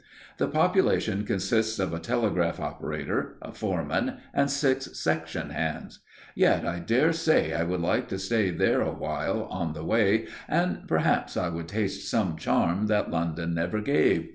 The population consists of a telegraph operator, a foreman, and six section hands. Yet I dare say I would like to stay there awhile, on the way, and perhaps I would taste some charm that London never gave.